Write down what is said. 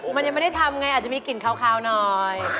มันยังไม่ได้ทำไงอาจจะมีกลิ่นคาวหน่อย